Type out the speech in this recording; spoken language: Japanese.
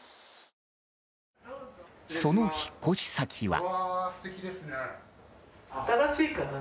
その引っ越し先は。